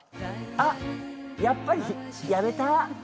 あっやっぱりやめた。